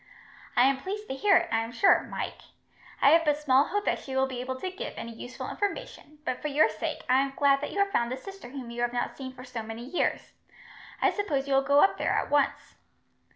"I am pleased to hear it, I am sure, Mike. I have but small hope that she will be able to give any useful information, but for your sake, I am glad that you have found a sister whom you have not seen for so many years. I suppose you will go up there, at once."